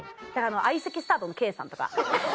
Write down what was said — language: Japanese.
相席スタートのケイさんとか。